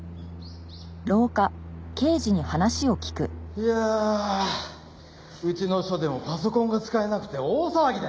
いやうちの署でもパソコンが使えなくて大騒ぎだよ。